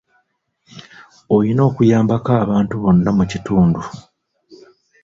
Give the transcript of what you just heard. Olina okuyambako bantu banno mu kitundu.